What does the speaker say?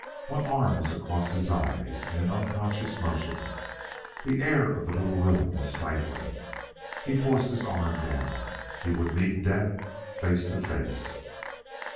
One arm was across his eyes in an unconscious motion. The air of the little room was stifling. He forced his arm down; he would meet death face to face.